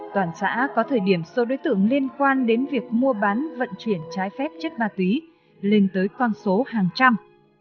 toàn xã có thời điểm số đối tượng liên quan đến việc mua bán vận chuyển trái phép chất ma túy lên tới con số hàng trăm